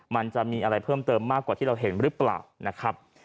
มันจะมีอะไรเพิ่มเติมมากกว่าที่เราเห็นหรือเปล่านะครับ